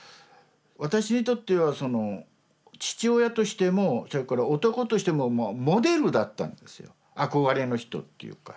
私にとっては父親としてもそれから男としてもモデルだったんですよ憧れの人っていうか。